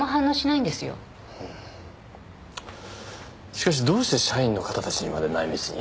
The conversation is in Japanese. しかしどうして社員の方たちにまで内密に？